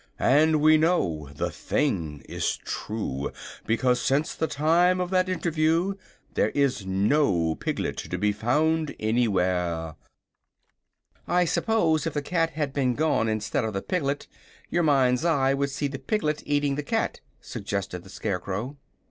And we know the thing is true, because since the time of that interview there is no piglet to be found anywhere." [Illustration: EUREKA IN COURT.] "I suppose, if the cat had been gone, instead of the piglet, your mind's eye would see the piglet eating the cat," suggested the Scarecrow.